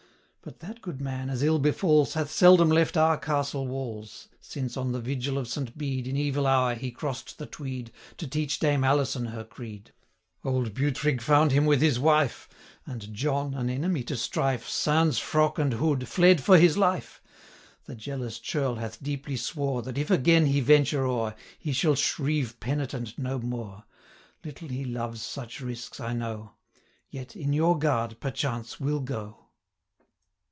But that good man, as ill befalls, Hath seldom left our castle walls, Since, on the vigil of St. Bede, In evil hour, he cross'd the Tweed, 355 To teach Dame Alison her creed. Old Bughtrig found him with his wife; And John, an enemy to strife, Sans frock and hood, fled for his life. The jealous churl hath deeply swore, 360 That, if again he venture o'er, He shall shrieve penitent no more. Little he loves such risks, I know; Yet, in your guard, perchance will go.'